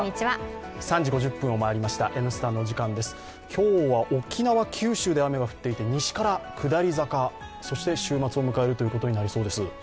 今日は沖縄、九州で雨が降っていて西から下り坂、そして週末を迎えるということになりそうです。